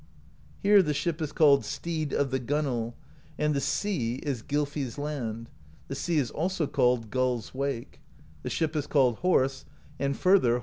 Here the ship is called Steed of the Gunwale; and the sea is Gylfi's Land; the sea is also called Gull's Wake. The ship is called Horse, and further.